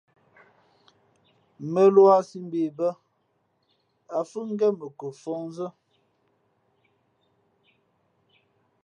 Mᾱluā sī mbe bᾱ, ǎ fhʉ̄ ngén mα ko fαhnzᾱ.